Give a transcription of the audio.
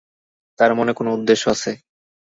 তাঁর মনে কোনো উদ্দেশ্য আছে।